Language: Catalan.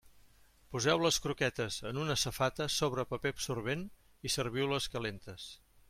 Poseu les croquetes en una safata sobre paper absorbent i serviu-les calentes.